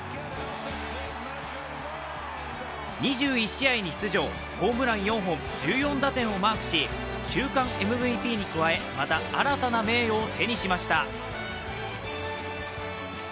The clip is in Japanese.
２１試合に出場、ホームラン４本、１４打点をマークし週間ＭＶＰに加え、また新たな名誉を手にしました。